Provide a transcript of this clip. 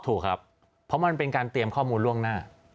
ถูกครับเพราะมันเป็นการเตรียมข้อมูลล่วงหน้า